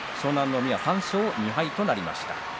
海は３勝２敗となりました。